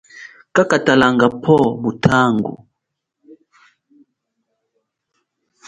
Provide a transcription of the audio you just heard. Kakatalanga phowo mutangu.